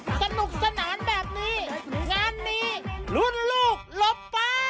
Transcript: สนุกสนานแบบนี้งานนี้รุ่นลูกหลบฟ้า